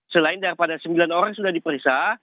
selain daripada sembilan orang sudah diperiksa